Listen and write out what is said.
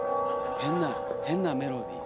変な変なメロディー。